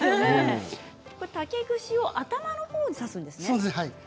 竹串を頭のほうに刺すんですね。